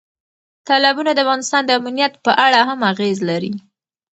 تالابونه د افغانستان د امنیت په اړه هم اغېز لري.